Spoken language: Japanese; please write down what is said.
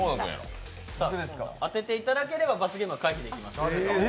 当てていただければ罰ゲームは回避できます。